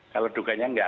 kalau duganya tidak